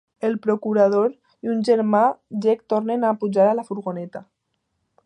El procurador i un germà llec tornen a pujar a la furgoneta.